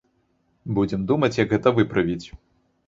Будзем думаць, як гэта выправіць.